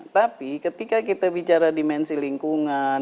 tapi ketika kita bicara dimensi lingkungan